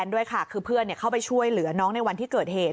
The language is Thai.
ด้วยค่ะคือเพื่อนเข้าไปช่วยเหลือน้องในวันที่เกิดเหตุ